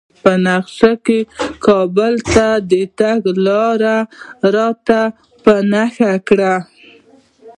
په نقشه کې کابل ته د تګ لار راته په نښه کړئ